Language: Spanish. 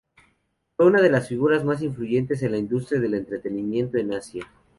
Fue una de las figuras más influyentes en la industria del entretenimiento en Asia.